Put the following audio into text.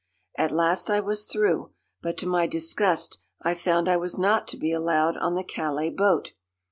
At last I was through. But to my disgust I found I was not to be allowed on the Calais boat.